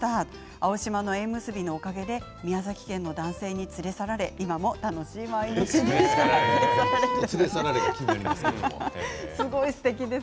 青島の縁結びのおかげで宮崎県の男性に連れ去られ今も楽しい毎日ですということです。